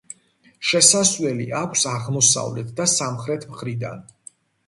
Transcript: შესასვლელი აქვს აღმოსავლეთ და სამხრეთი მხრიდან.